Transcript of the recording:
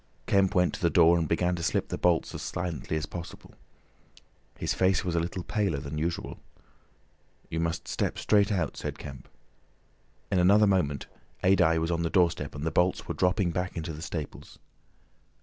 Kemp went to the door and began to slip the bolts as silently as possible. His face was a little paler than usual. "You must step straight out," said Kemp. In another moment Adye was on the doorstep and the bolts were dropping back into the staples.